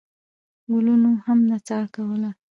ګلونو هم نڅا کوله.